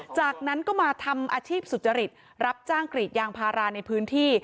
จากนั้นก็มาทำอาชีพสุจริตรับจ้างกรีดยางพาราในพื้นที่